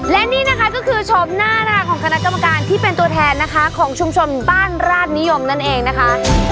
และนี่นะคะก็คือชมน่ารักของคณะกรรมการที่เป็นตัวแทนนะคะของชุมชนบ้านราชนิยมนั่นเองนะคะ